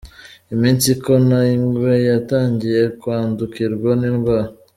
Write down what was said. Iminsi ikona ingwe, yatangiye kwandukirwa n’indwara.